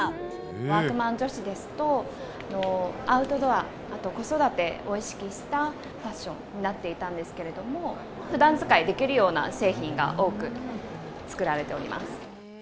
ワークマン女子ですと、アウトドア、あと子育てを意識したファッションになっていたんですけれども、ふだん使いできるような製品が多く作られております。